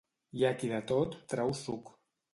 Hi ha qui de tot trau suc.